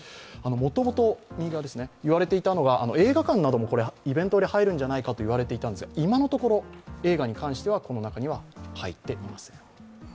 もともと言われていたのが映画館などもイベント割入るんじゃないかと言われていたんですが、今のところ、映画に関してはこの中には入っていません。